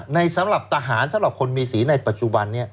สำหรับทหารสำหรับคนมีสีในปัจจุบันนี้